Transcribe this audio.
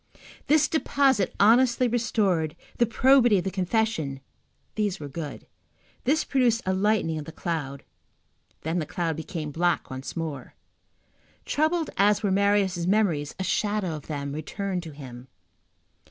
The deposit honestly restored, the probity of the confession—these were good. This produced a lightening of the cloud, then the cloud became black once more. Troubled as were Marius' memories, a shadow of them returned to him.